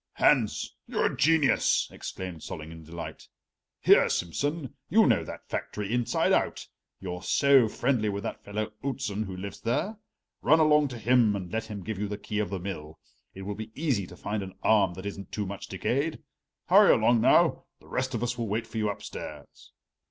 "Hans, you're a genius!" exclaimed Solling in delight. "Here, Simsen, you know that factory inside and out, you're so friendly with that fellow Outzen who lives there. Run along to him and let him give you the key of the mill. It will be easy to find an arm that isn't too much decayed. Hurry along, now; the rest of us will wait for you upstairs."